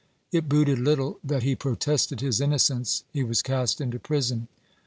It booted little that he protested his innocence, he was cast into prison.